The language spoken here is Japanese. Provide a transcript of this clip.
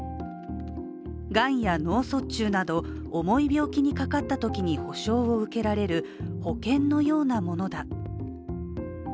がんや脳卒中など重い病気にかかったときに保障を受けられる保険のようなものだ。